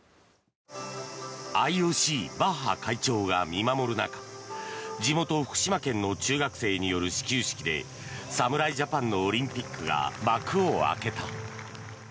ＩＯＣ、バッハ会長が見守る中地元・福島県の中学生による始球式で侍ジャパンのオリンピックが幕を開けた。